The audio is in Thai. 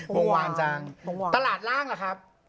วงวานจังตลาดล่างล่ะครับ